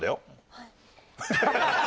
はい。